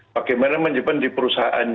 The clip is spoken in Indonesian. bagaimana menjepan di perusahaannya